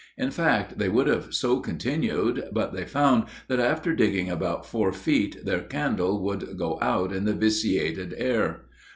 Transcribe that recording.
In fact, they would have so continued, but they found that after digging about four feet their candle would go out in the vitiated air.